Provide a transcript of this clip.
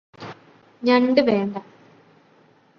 ഞണ്ട് വേണ്ട